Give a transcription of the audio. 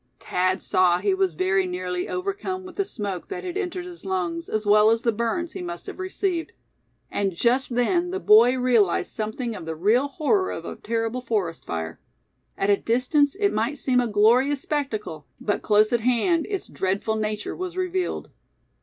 Thad saw he was very nearly overcome with the smoke that had entered his lungs, as well as the burns he must have received. And just then the boy realized something of the real horror of a terrible forest fire. At a distance it might seem a glorious spectacle; but close at hand its dreadful nature was revealed.